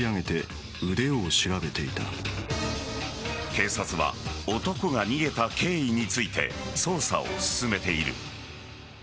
警察は男が逃げた経緯について捜査を進めている。